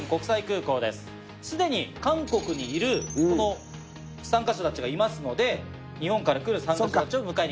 既に韓国にいるこの参加者たちがいますので日本から来る参加者たちを迎えに。